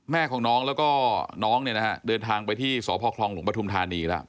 แม่ของน้องแล้วก็น้องเนี่ยนะฮะเดินทางไปที่สพคลองหลวงปฐุมธานีแล้ว